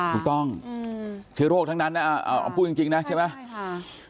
ถูกต้องเชื้อโรคทั้งนั้นนะเอาพูดจริงนะใช่ไหมใช่ค่ะ